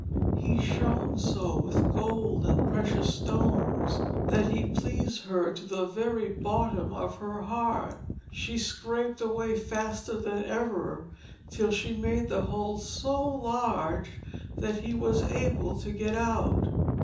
he shone so with gold and precious stones, that he pleased her to the very bottom of her heart. She scraped away faster than ever, till she made the hole so large that he was able to get out.